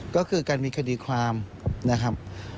ก็คือการมีคดีความนะครับ